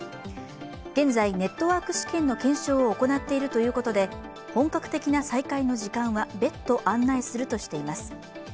現在、ネットワーク試験の検証を行っているということで本格的な再開の時間は別途案内するとしています。